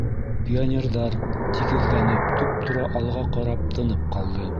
Пионерҙар, тигеҙләнеп, туп-тура алға ҡарап, тынып ҡалды.